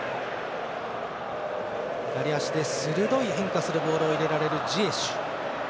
左足で鋭く変化するボールを入れられるジエシュ。